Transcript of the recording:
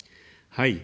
はい。